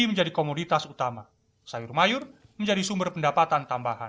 menjadi komoditas utama sayur mayur menjadi sumber pendapatan tambahan